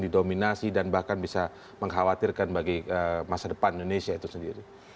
didominasi dan bahkan bisa mengkhawatirkan bagi masa depan indonesia itu sendiri